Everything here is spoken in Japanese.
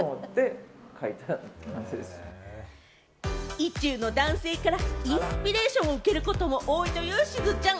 意中の男性からインスピレーションを受けることも多いというしずちゃん。